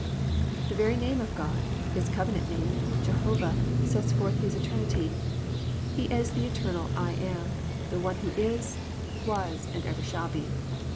"+ The very name of God, His covenant name, Jehovah, sets forth His eternity. He is the eternal "I am," the One who is, was and ever shall be.